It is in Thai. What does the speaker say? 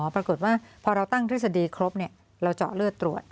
ปรากฏว่าพอเราตั้งทฤษฎีครบเราเจาะเลือดตรวจ